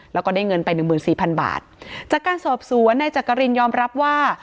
แล้วก็ได้เงินไปหนึ่งหมื่นสี่พันบาทจากการสอบสวนนายจักรินยอมรับว่า